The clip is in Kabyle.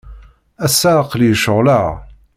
Ass-a, aql-iyi ceɣleɣ.